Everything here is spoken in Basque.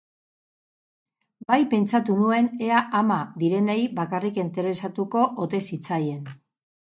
Bai pentsatu nuen ea ama direnei bakarrik interesatuko ote zitzaien.